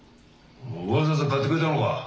わざわざ買ってくれたのか。